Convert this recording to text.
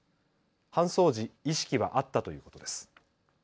搬送時、意識はあったということです。